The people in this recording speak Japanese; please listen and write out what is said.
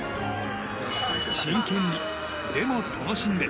真剣に、でも楽しんで。